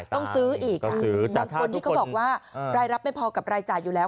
ต้องซื้ออีกบางคนที่เขาบอกว่ารายรับไม่พอกับรายจ่ายอยู่แล้ว